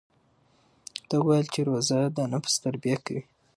ده وویل چې روژه د نفس تربیه کوي.